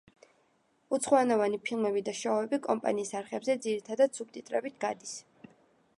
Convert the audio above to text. უცხოენოვანი ფილმები და შოუები კომპანიის არხებზე ძირითადად სუბტიტრებით გადის.